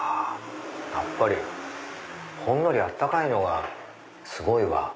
やっぱりほんのり温かいのがすごいわ。